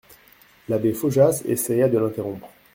L'abbé Faujas essaya de l'interrompre.